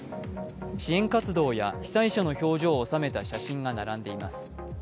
支援活動や被災者の表情を収めた写真が並んでいます。